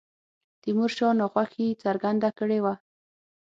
تیمور شاه ناخوښي څرګنده کړې وه.